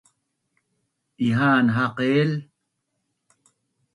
Ihaan haqil